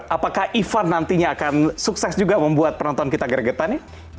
apakah ivan nantinya akan sukses juga membuat penonton kita geregetan nih